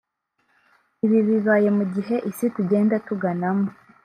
Ibi bibaye mu gihe isi tugenda tuganamo